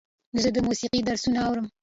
زه د موسیقۍ درسونه اورم.